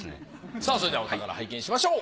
さあそれではお宝拝見しましょう。